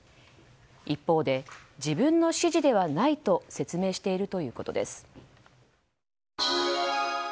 一方で自分の指示ではないと説明しているということです。